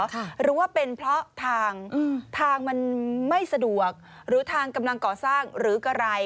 หรือว่าเป็นเพราะทางทางมันไม่สะดวกหรือทางกำลังก่อสร้างหรืออะไร